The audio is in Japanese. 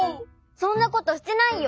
そんなことしてないよ！